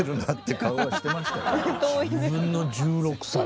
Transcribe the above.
自分の１６歳。